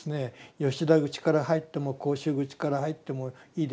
吉田口から入っても甲州口から入ってもいいでしょ。